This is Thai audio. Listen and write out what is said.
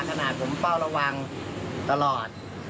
ขนาดผมเฝ้าระวังตลอด